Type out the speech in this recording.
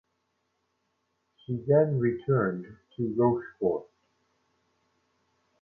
She then returned to Rochefort.